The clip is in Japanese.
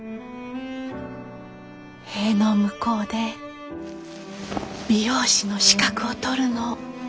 塀の向こうで美容師の資格を取るの。